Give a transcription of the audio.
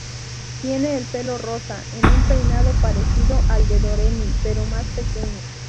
Tiene el pelo rosa, en un peinado parecido al de Doremi, pero más pequeño.